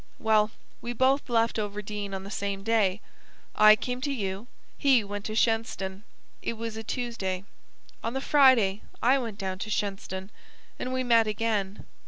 well, we both left Overdene on the same day. I came to you; he went to Shenstone. It was a Tuesday. On the Friday I went down to Shenstone, and we met again.